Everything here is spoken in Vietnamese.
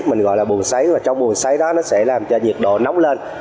mình gọi là buồng sấy và trong buồng sấy đó nó sẽ làm cho nhiệt độ nóng lên